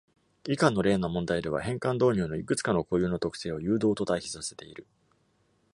以下の例の問題では、変換導入のいくつかの固有の特性を誘導と対比させている。